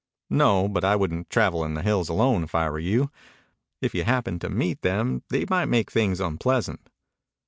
"No. But I wouldn't travel in the hills alone if I were you. If you happened to meet them they might make things unpleasant."